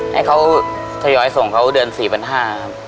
ให้เขาทยอยส่งเขาเดือน๔๕๐๐ครับ